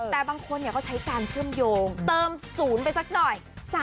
แต่บางคนเขาใช้การเชื่อมโยงเติมศูนย์ไปสักหน่อย